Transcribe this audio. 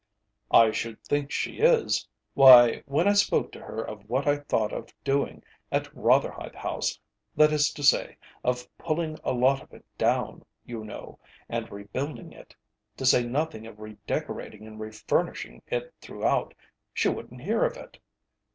"I should think she is. Why, when I spoke to her of what I thought of doing at Rotherhithe House, that is to say, of pulling a lot of it down, you know, and rebuilding it, to say nothing of redecorating and refurnishing it throughout, she wouldn't hear of it.